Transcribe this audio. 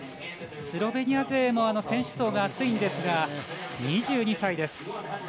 スロベニア勢も選手層が厚いんですが２２歳です。